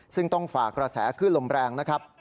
ซึ่งต้องฝากระแสขึ้นลมแรงนะครับ